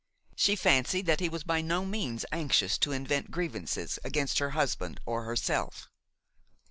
She fancied that he was by no means anxious to invent grievances against her husband or herself.